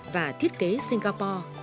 và thiết kế singapore